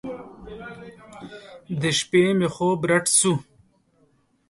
د شپې مې خوب رډ سو.